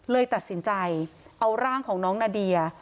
เลยตัดสินใจเอาร่างของน้องนาเดีย